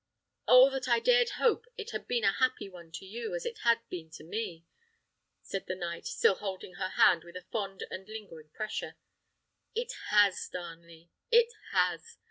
"Oh, that I dared hope it had been a happy one to you, as it has been to me!" said the knight, still holding her hand with a fond and lingering pressure. "It has, Darnley; it has!"